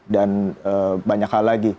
dan banyak hal lagi